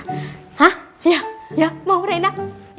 hah ya mau deh